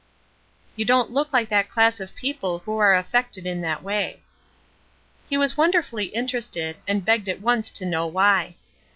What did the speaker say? "You don't look like that class of people who are affected in that way." He was wonderfully interested, and begged at once to know why.